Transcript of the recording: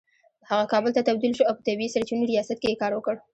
هغه کابل ته تبدیل شو او په طبیعي سرچینو ریاست کې يې کار وکړ